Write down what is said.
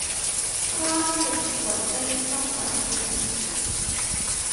差啲直接跪低斟茶嗌師父